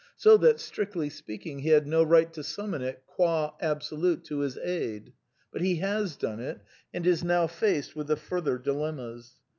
So that, strictly speaking, he had no right to summon it qua Absolute to his aid. But he has done it, and is now faced with the further dilemm fl.